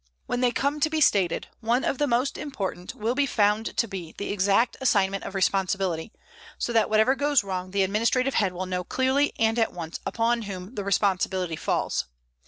When they come to be stated one of the most important will be found to be the exact assignment of responsibility, so that whatever goes wrong the administrative head will know clearly and at once upon whom the responsibility falls.